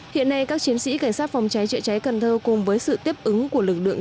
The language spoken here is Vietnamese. hiện nay các chiến sĩ cảnh sát phòng cháy chữa cháy cần thơ cùng với sự tiếp ứng của lực lượng